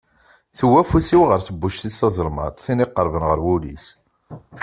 Tiwi afus-iw ɣer tebbuct-is tazelmaḍt, tin iqerben ɣer wul-is.